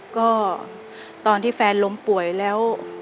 ก็ตอนที่แฟนล้มป่วยแล้ว